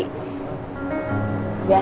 nih aneh ardi